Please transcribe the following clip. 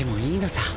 さ